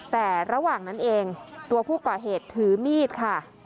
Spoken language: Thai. แต่ระหว่างนั้นเองตัวผู้ก่อเหตุถือมีดค่ะ